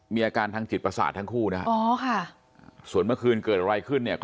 มีอาการทางจิตประสาททั้งคู่นะฮะอ๋อค่ะส่วนเมื่อคืนเกิดอะไรขึ้นเนี่ย